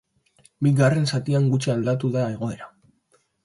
Bigarren zatian gutxi aldatu da egoera.